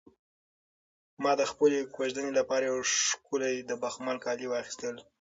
ما د خپلې کوژدنې لپاره یو ښکلی د بخمل کالي واخیستل.